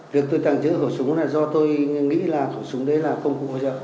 việc tôi tàng trữ khẩu súng là do tôi nghĩ là khẩu súng đấy là công cụ bây giờ